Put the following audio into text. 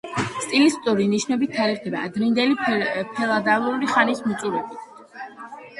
სტილისტური ნიშნებით თარიღდება ადრინდელი ფეოდალური ხანის მიწურულით.